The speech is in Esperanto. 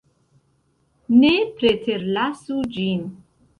Ne preterlasu ĝin.